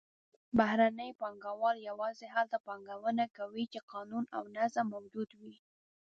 بهرني پانګهوال یوازې هلته پانګونه کوي چې قانون او نظم موجود وي.